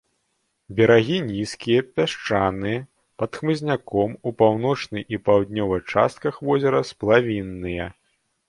Берагі нізкія, пясчаныя, пад хмызняком, у паўночнай і паўднёвай частках возера сплавінныя.